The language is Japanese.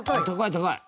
高い。